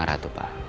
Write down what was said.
di maharatu pak